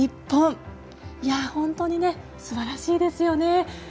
本当にすばらしいですよね。